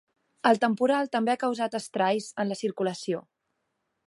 El temporal també ha causat estralls en la circulació.